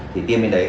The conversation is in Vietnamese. thì tiên bên đấy